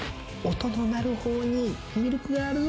音の鳴るほうにミルクがあるぞ